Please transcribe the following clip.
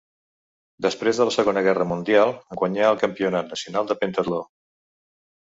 Després de la Segona Guerra Mundial guanyà el campionat nacional de pentatló.